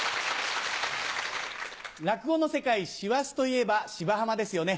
落語の世界師走といえば『芝浜』ですよね。